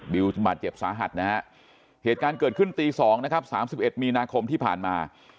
วิวบาดเจ็บสาหัสนะฮะเหตุการณ์เกิดขึ้นตี๒นะครับ๓๑มีนาคมที่ผ่านมา